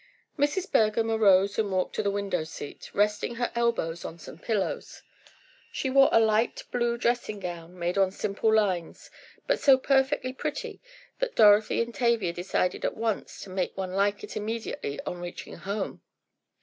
Mrs. Bergham arose and walked to the window seat, resting her elbows on some pillows. She wore a light blue dressing gown, made on simple lines, but so perfectly pretty that Dorothy and Tavia decided at once to make one like it immediately, on reaching home.